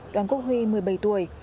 đoàn quốc huy một mươi bảy tuổi